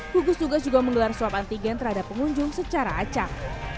gugus tugas juga menggelar swab antigen terhadap pengunjung secara acak